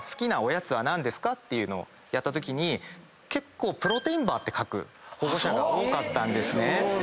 ていうのをやったときに結構プロテインバーって書く保護者が多かったんですね。